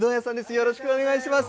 よろしくお願いします。